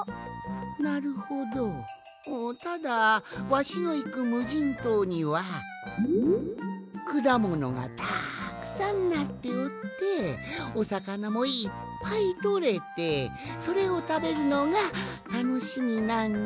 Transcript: なるほどただわしのいくむじんとうにはくだものがたくさんなっておっておさかなもいっぱいとれてそれをたべるのがたのしみなんじゃが。